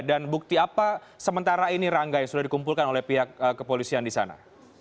dan bukti apa sementara ini rangga yang sudah dikumpulkan oleh pihak kepolisian di sana